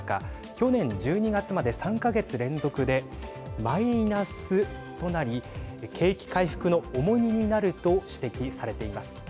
去年１２月まで３か月連続でマイナスとなり景気回復の重荷になると指摘されています。